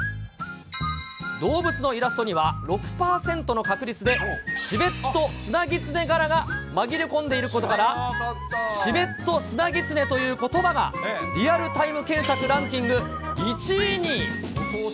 動物のイラストには、６％の確率でチベットスナギツネ柄が紛れ込んでいることから、チベットスナギツネということばがリアルタイム検索ランキング１位に。